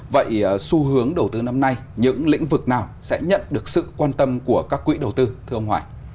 vậy xu hướng đầu tư năm nay những lĩnh vực nào sẽ nhận được sự quan tâm của các quỹ đầu tư thưa ông hoài